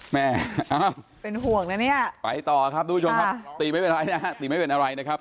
แม่เป็นห่วงนะเนี่ยไปต่อครับทุกผู้ชมครับตีไม่เป็นอะไรนะครับ